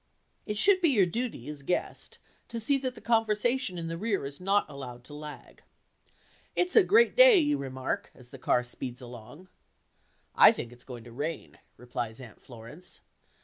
It should be your duty, as guest, to see that the conversation in the rear seat is not allowed to lag. "It's a great day," you remark, as the car speeds along. "I think it's going to rain," replies Aunt Florence.